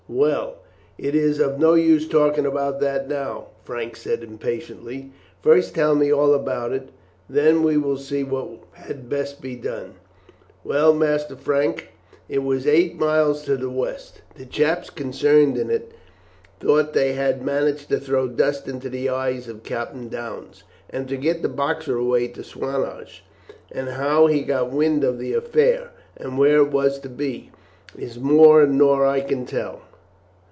"Well, it is of no use talking about that now," Frank said impatiently. "First tell me all about it, and then we will see what had best be done." "Well, Master Frank, it was eight miles to the west. The chaps concerned in it thought they had managed to throw dust into the eyes of Captain Downes, and to get the Boxer away to Swanage, and how he got wind of the affair, and where it was to be, is more nor I can tell.